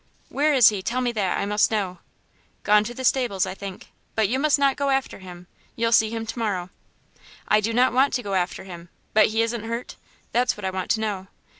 "Where is he? tell me that; I must know." "Gone to the stables, I think; but you must not go after him you'll see him to morrow." "I do not want to go after him; but he isn't hurt? That's what I want to know."